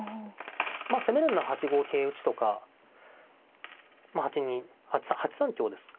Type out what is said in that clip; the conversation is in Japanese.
まあ攻めるんなら８五桂打とか８二８三香ですか。